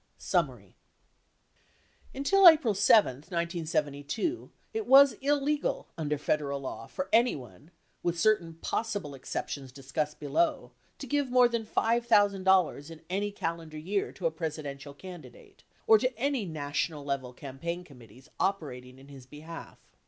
Summary Until April 7, 1972, it was illegal under Federal law for anyone, with certain possible exceptions discussed below, to give more than $5,000 in any calendar year to a Presidential candidate, or to any na tional level campaign committees operating in his behalf.